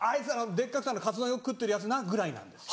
デッカくてカツ丼よく食ってるヤツな」。ぐらいなんですよ。